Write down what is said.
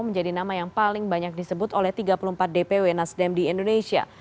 menjadi nama yang paling banyak disebut oleh tiga puluh empat dpw nasdem di indonesia